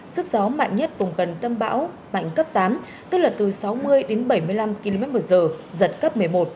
sức gió mạnh nhất vùng gần tâm bão mạnh cấp tám tức là từ sáu mươi đến bảy mươi năm kmh giật cấp một mươi một